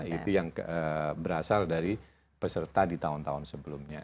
itu yang berasal dari peserta di tahun tahun sebelumnya